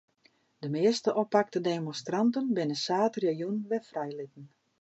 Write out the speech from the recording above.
De measte oppakte demonstranten binne saterdeitejûn wer frijlitten.